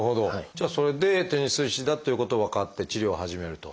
じゃあそれでテニス肘だっていうことが分かって治療を始めると。